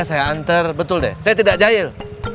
saya anter betul deh saya tidak jahil